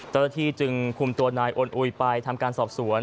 เจ้าหน้าที่จึงคุมตัวนายอนอุยไปทำการสอบสวน